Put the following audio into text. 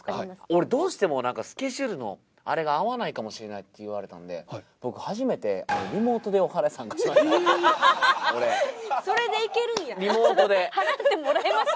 俺どうしてもスケジュールのあれが合わないかもしれないって言われたんで俺リモートで祓ってもらいました？